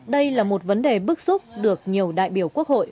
đây là một vấn đề bức xúc được nhiều đại biểu quốc hội